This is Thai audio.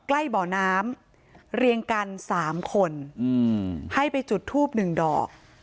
ใกล้บ่อน้ำเรียงกัน๓คนให้ไปจุดทูบหนึ่งดอก